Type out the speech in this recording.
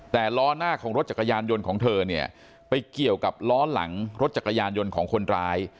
แต่ล้อหน้าของรถจักรยานยนต์ของเธอเนี่ยไปเกี่ยวกับล้อหลังรถจักรยานยนต์ของคนร้าย